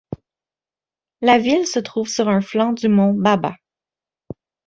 La ville se trouve sur un flanc du mont Baba.